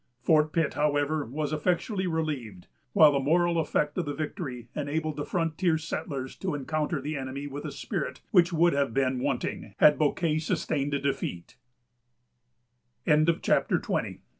Fort Pitt, however, was effectually relieved; while the moral effect of the victory enabled the frontier settlers to encounter the enemy with a spirit which would have been wanting, had Bouquet sustained a defeat. CHAPTER XXI.